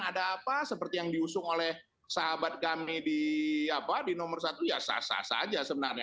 ada apa seperti yang diusung oleh sahabat kami di nomor satu ya sah sah saja sebenarnya